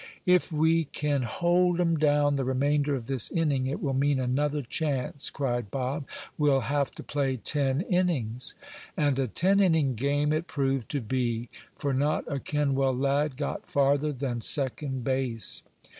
"If we can hold 'em down the remainder of this inning, it will mean another chance," cried Bob. "We'll have to play ten innings." And a ten inning game it proved to be. For not a Kenwell lad got farther than second base.